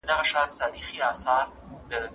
کېدای سي پوښتنه سخته وي!؟